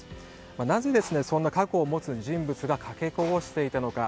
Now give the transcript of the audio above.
なぜ、そんな過去を持つ人物がかけ子をしていたのか。